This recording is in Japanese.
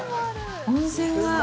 温泉が。